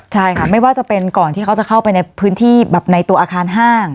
ใช่ไม่ว่าจะเป็นก่อนเข้าไปในพื้นที่ในตัวอาคารห้าง